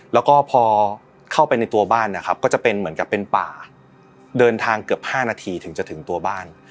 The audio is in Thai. แล้วก็พอเข้าไปในตัวบ้านนะครับก็จะเป็นเหมือนกับเป็นป่าเดินทางเกือบ๕นาทีถึงจะถึงตัวบ้าน